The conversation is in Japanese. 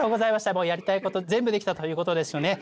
もうやりたいこと全部できたということですよね。